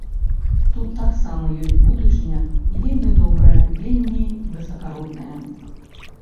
Тут таксама ёсць будучыня і вельмі добрая, вельмі высакародная.